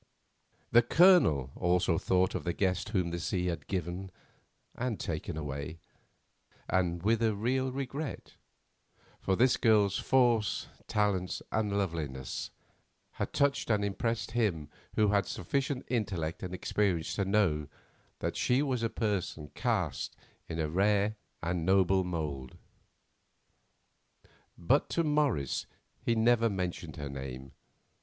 The Colonel also thought of the guest whom the sea had given and taken away, and with a real regret, for this girl's force, talents, and loveliness had touched and impressed him who had sufficient intellect and experience to know that she was a person cast in a rare and noble mould. But to Morris he never mentioned her name.